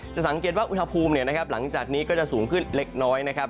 สังเกตว่าอุณหภูมิหลังจากนี้ก็จะสูงขึ้นเล็กน้อยนะครับ